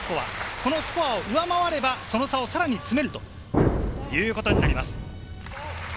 このスコアを上回れば、その差をさらに詰めるということになります。